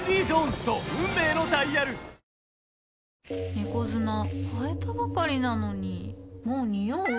猫砂替えたばかりなのにもうニオう？